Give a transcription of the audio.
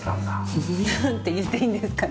フフフなんて言っていいんですかね？